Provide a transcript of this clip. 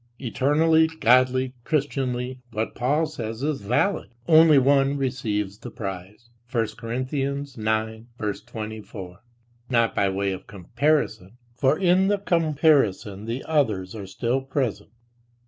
Eternally, godly, christianly what Paul says is valid: "only one receives the prize," [I Cor. 9:24] not by way of comparison, for in the comparison "the others" are still present.